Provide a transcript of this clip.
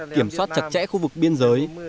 kiểm soát chặt chẽ khu vực biên giới